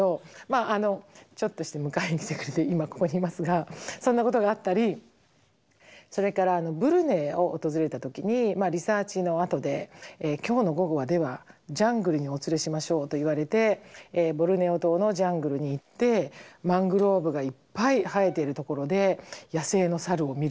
あちょっとして迎えに来てくれて今ここにいますがそんなことがあったりそれからブルネイを訪れた時にリサーチのあとで「今日の午後はではジャングルにお連れしましょう」と言われてボルネオ島のジャングルに行ってマングローブがいっぱい生えているところで野生の猿を見るとか。